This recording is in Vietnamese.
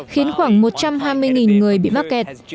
khiến khoảng một trăm hai mươi người bị mắc kẹt